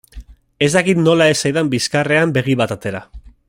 Ez dakit nola ez zaidan bizkarrean begi bat atera.